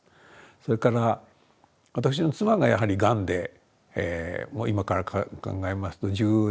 それから私の妻がやはりがんでもう今から考えますと１７年前でしょうかね